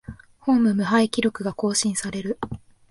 ホーム無敗記録が更新される